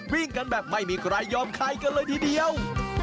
วิ่งกันแบบไม่มีใครยอมใครกันเลยทีเดียว